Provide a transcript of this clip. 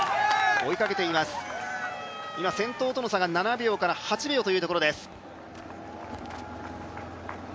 追いかけています、先頭との差が今、７秒から８秒というところです。